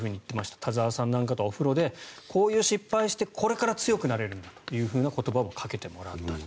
田澤さんなんかとはお風呂でこういう失敗をしてこれから強くなれるんだという声をかけてもらった。